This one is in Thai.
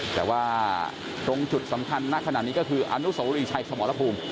แต่ว่าตรงจุดสำคัญณขณะนี้ก็คืออนุสวรีชัยสมรภูมิ